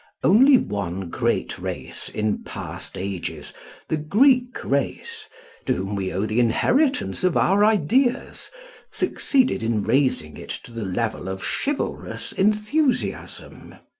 Only one great race in past ages, the Greek race, to whom we owe the inheritance of our ideas, succeeded in raising it to the level of chivalrous enthusiasm.